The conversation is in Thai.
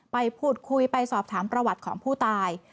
ไปพูดคุยไปสอบถามประวัติของผู้ตาย